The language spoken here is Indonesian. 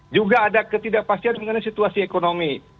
juga ada ketidakpastian mengenai situasi ekonomi